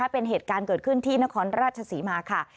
เป็นเหตุการณ์เกิดขึ้นที่นครราชศรีมาค่ะ